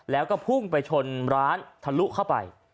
แล้วก็พุ่งไปชนร้านทะลุเข้าไป